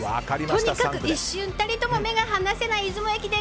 とにかく一瞬たりとも目が離せない出雲駅伝